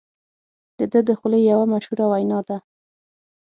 د ده د خولې یوه مشهوره وینا ده.